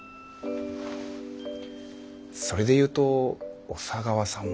それで言うと小佐川さんも。